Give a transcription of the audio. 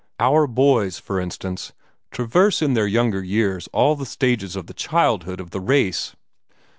Our boys, for instance, traverse in their younger years all the stages of the childhood of the race.